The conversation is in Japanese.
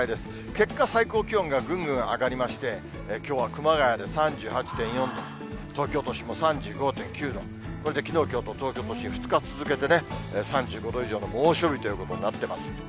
結果、最高気温がぐんぐん上がりまして、きょうは熊谷で３８．４度、東京都心も３５．９度、これできのう、きょうと東京都心、２日続けて３５度以上の猛暑日ということになってます。